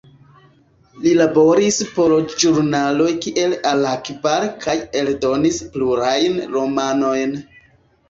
Li laboris por ĵurnaloj kiel Al-Akhbar kaj eldonis plurajn romanojn.